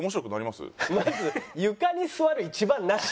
まず床に座る一番なし。